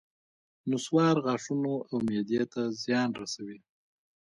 نصوار غاښونو او معدې ته زیان رسوي